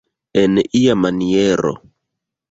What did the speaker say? En ia maniero.